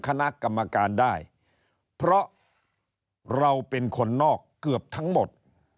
คณะกรรมการได้เพราะเราเป็นคนนอกเกือบทั้งหมด